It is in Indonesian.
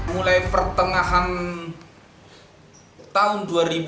mulai pertengahan tahun dua ribu dua puluh dua